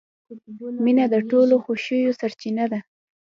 • مینه د ټولو خوښیو سرچینه ده.